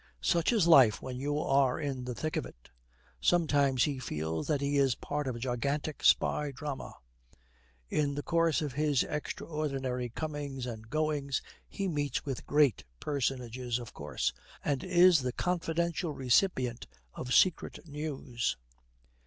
Such is life when you are in the thick of it. Sometimes he feels that he is part of a gigantic spy drama. In the course of his extraordinary comings and goings he meets with Great Personages, of course, and is the confidential recipient of secret news.